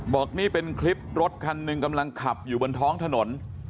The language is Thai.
บอกนี่เป็นคลิปรถคันหนึ่งกำลังขับอยู่บนท้องถนน